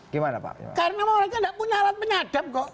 karena mereka tidak punya alat penyadap kok